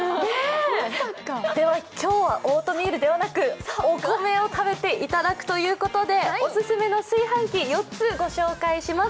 今日はオートミールではなくお米を食べていただくということでオススメの炊飯器、御紹介します。